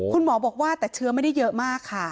คุณหมอบอกว่าแต่เชื้อไม่ได้เยอะมากค่ะ